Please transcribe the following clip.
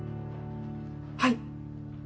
はい。